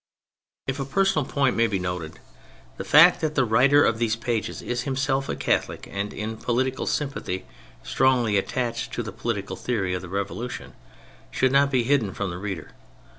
If a personal point may be noted, the fact that the writer of these pages is himself a Catholic and in political sympathy strongly attached to the political theory of the Revolu tion, should not be hidden from the reader.